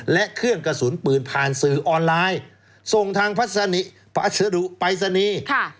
และเครื่องกระสุนปืนผ่านซื้อออนไลน์ส่งทางไปรษณีย์